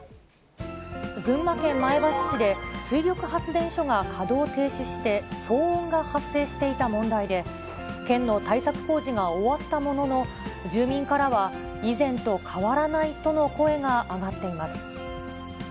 群馬県前橋市で、水力発電所が稼働停止して騒音が発生していた問題で、県の対策工事が終わったものの、住民からは以前と変わらないとの声が上がっています。